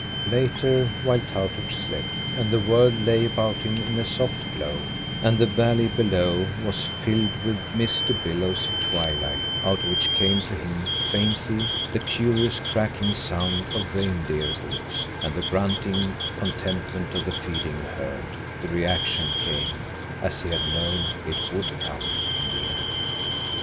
Later, while Tautuk slept, and the world lay about him in a soft glow, and the valley below was filled with misty billows of twilight out of which came to him faintly the curious, crackling sound of reindeer hoofs and the grunting contentment of the feeding herd, the reaction came, as he had known it would come in the end.